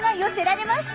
いました！